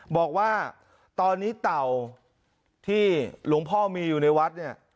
บอกว่าตอนนี้เต่าที่หลวงพ่อมีอยู่ในวัดเนี่ย